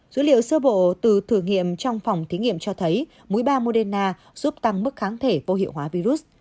dữ liệu sơ bộ từ thử nghiệm trong phòng thí nghiệm cho thấy mũi ba moderna giúp tăng mức kháng thể vô hiệu hóa virus